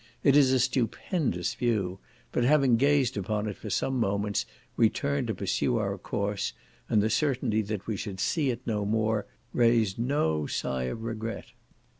It is a stupendous view; but having gazed upon it for some moments, we turned to pursue our course, and the certainty that we should see it no more, raised no sigh of regret.